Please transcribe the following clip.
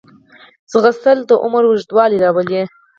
ځغاسته د عمر اوږدوالی راولي